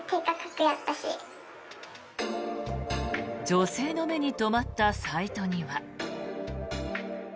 女性の目に留まったサイトには。